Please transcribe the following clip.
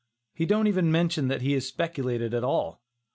He don't even mention that he has speculated at all.